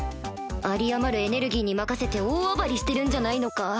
有り余るエネルギーに任せて大暴れしてるんじゃないのか？